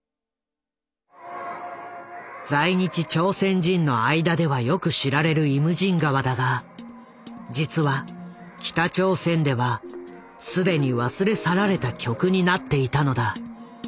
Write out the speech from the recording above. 在日朝鮮人の間ではよく知られる「イムジン河」だが実は北朝鮮ではすでに忘れ去られた曲になっていたのだ。